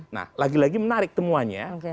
nah lagi lagi menarik temuannya